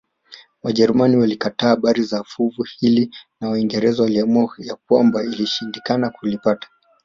Wajerumani walikataa habari za fuvu hili na Waingereza waliamua ya kwamba ilishindikana kulipata